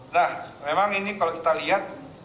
nah memang ini kalau kita lihat